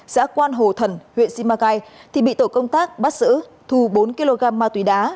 xã quan hồ thần huyện simacai thì bị tổ công tác bắt giữ thu bốn kg ma túy đá